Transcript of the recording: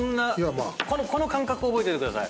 この感覚覚えといてください。